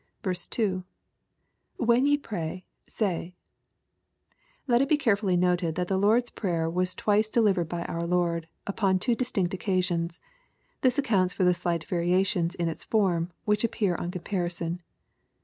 2. —[ When ye pray, say.] Let it be carefully noted that the Lord's Prayer was twice delivered by our Lord, upon two distinct occa sions. This accounts for the slight variations in its form, which appear on comparison.